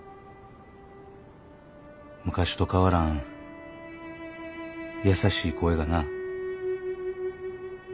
昔と変わらん優しい声がな。